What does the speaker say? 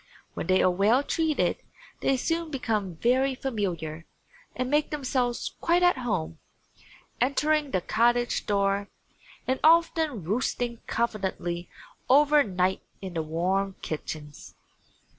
When they are well treated they soon become very familiar and make themselves quite at home, entering the cottage door and often roosting confidently over night in the warm kitchens.